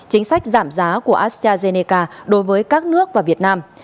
chính sách giảm giá của astrazeneca đối với các nước và việt nam